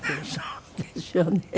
そうですよね。